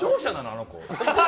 あの子。